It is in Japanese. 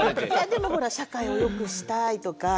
でもほら社会をよくしたいとか。